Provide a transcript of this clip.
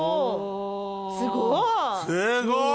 すごい！